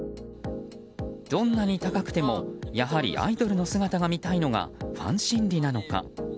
どんなに高くてもやはりアイドルの姿が見たいのがファン心理なのか。